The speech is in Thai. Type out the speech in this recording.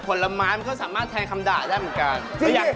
ผลไม้มันก็สามารถแทนคำด่าได้เหมือนกัน